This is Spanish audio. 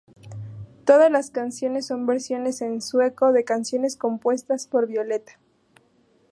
Todas las canciones son versiones en sueco de canciones compuestas por Violeta.